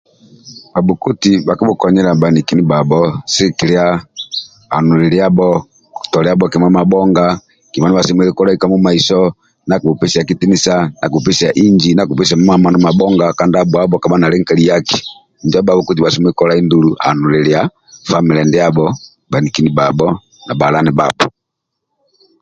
Bhabhokoti bhakibhukonyela bhaniki ndibhabho sigikilia hanuliliabho toliavho kima mabhonga kima ndia bhasemelelu kolai ka mumaiso ndia akibhupesia kitinisa ndia ndia akibhupesia inji ndia akibhupesia mamano mabhonga kandabhoabho nibhala amani kabha nali nkaliaki injo bhabhokoti bhasemelelu ndulu hanulilia famile ndibho bhaniki ndibhabho na bhahala ndibhabho